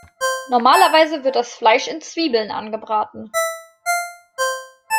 Normalerweise wird das Fleisch in Zwiebeln angebraten.